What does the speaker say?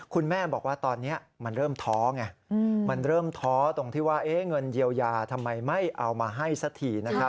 คุณแม่บอกว่าตอนนี้มันเริ่มท้อไงมันเริ่มท้อตรงที่ว่าเงินเยียวยาทำไมไม่เอามาให้สักทีนะครับ